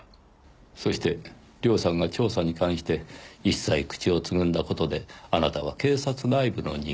そして涼さんが調査に関して一切口をつぐんだ事であなたは警察内部の人間